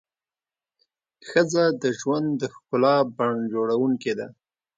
ښځه د ژوند د ښکلا بڼ جوړونکې ده.